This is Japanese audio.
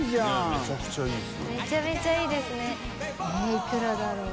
いくらだろう？